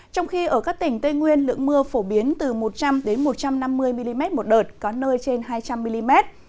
trong khi ở các tỉnh tây nguyên lượng mưa phổ biến từ một trăm linh một trăm năm mươi mm một đợt có nơi trên hai trăm linh mm